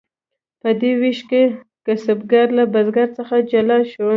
په دې ویش کې کسبګر له بزګر څخه جلا شو.